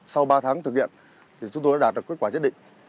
sau ba tháng thực hiện thì chúng tôi đã đạt được kết quả nhất định